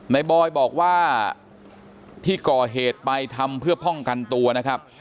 บอยบอกว่าที่ก่อเหตุไปทำเพื่อป้องกันตัวนะครับ